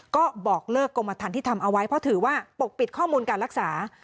ก็บอกเลิกกรมทันที่ทำเอาไว้เพราะถือว่าปกปิดข้อมูลการรักษา